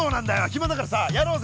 暇だからさやろうぜ！